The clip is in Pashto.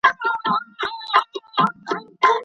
نجاران بې وسیلې نه وي.